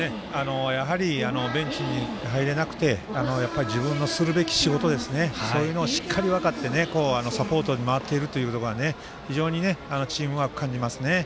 ベンチに入れなくても自分のするべき仕事をしっかり分かってサポートに回っているというところが非常にチームワークを感じますね。